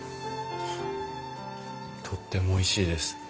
とってもおいしいです。